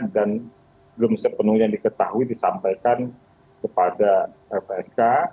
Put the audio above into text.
dan belum sepenuhnya yang diketahui disampaikan kepada lpsk